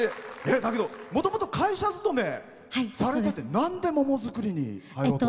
だけど、もともと会社勤めされてなんで桃作りに。